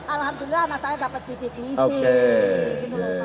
alhamdulillah anak saya dapat bibir gisi